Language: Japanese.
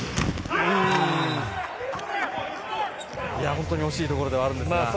本当に惜しいところではあるんですが。